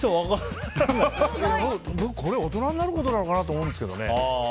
僕、これ大人になることなのかなと思うんですけどね。